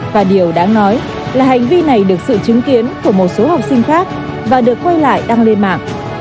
và điều đáng nói là hành vi này được sự chứng kiến của một số học sinh khác và được quay lại đăng lên mạng